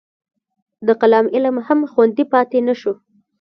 د کلام علم هم خوندي پاتې نه شو.